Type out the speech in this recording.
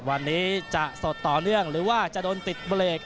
วันนี้จะสดต่อเนื่องหรือว่าจะโดนปิดเบรก